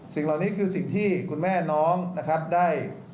สิ่งเหล่านี้คือสิ่งที่คุณแม่น้องนะครับได้